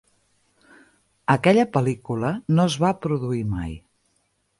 Aquella pel·lícula no es va produir mai.